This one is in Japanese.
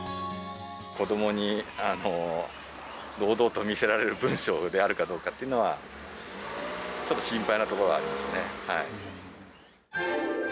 子どもに堂々と見せられる文章であるかどうかっていうのは、ちょっと心配なところはありますね。